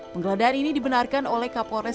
penggeledahan ini dibenarkan oleh kapolres